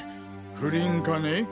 不倫かね？